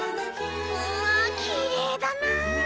うわきれいだな！